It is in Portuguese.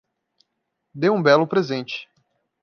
Dê um belo presente